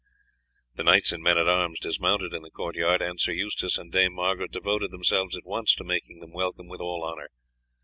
The knights and men at arms dismounted in the courtyard, and Sir Eustace and Dame Margaret devoted themselves at once to making them welcome with all honour.